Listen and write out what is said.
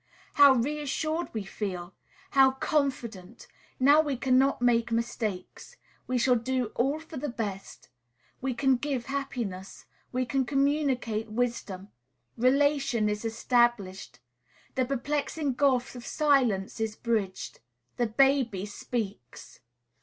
How reassured we feel, how confident! Now we cannot make mistakes; we shall do all for the best; we can give happiness; we can communicate wisdom; relation is established; the perplexing gulf of silence is bridged. The baby speaks!